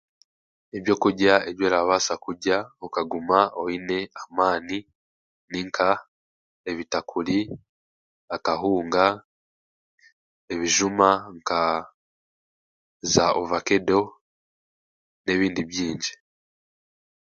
Ebyokugya ebi orabaasa kurya okaguma oine amaani ni nka ebitakuri, akahunga, ebijuma nka za ovakedo, n'ebindi bingi.